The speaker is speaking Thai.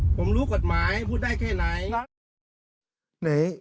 ผมรู้กฎหมายพูดได้แค่ไหน